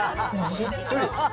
しっとり。